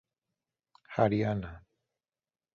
Haryana.